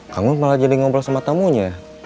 kang mus malah jadi ngobrol sama tamunya